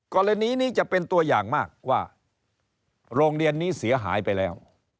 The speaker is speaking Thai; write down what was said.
กรณีนี้จะเป็นตัวอย่างมากว่าโรงเรียนนี้เสียหายไปแล้ว